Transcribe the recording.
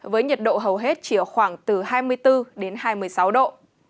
với nhiệt độ hầu hết chỉ ở khoảng từ hai mươi bốn đến hai mươi sáu độ